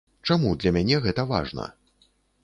Чаму для мяне гэта важна?